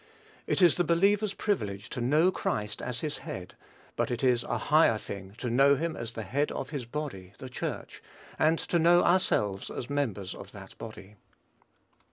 It is the believer's privilege to know Christ as his head; but it is a higher thing to know him as the head of his body the Church, and to know ourselves as members of that body.